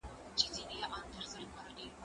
زه مخکي ليکنه کړې وه.